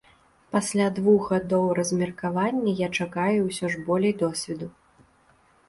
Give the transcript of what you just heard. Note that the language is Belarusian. Пасля двух гадоў размеркавання я чакаю ўсё ж болей досведу.